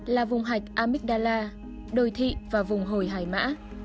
là vùng hạch amygdala đồi thị và vùng hồi hải mã